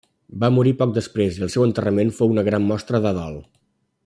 Va morir poc després i el seu enterrament fou una gran mostra de dol.